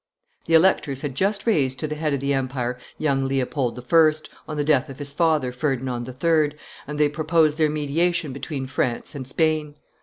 The electors had just raised to the head of the empire young Leopold I., on the death of his father, Ferdinand III., and they proposed their mediation between France and Spain.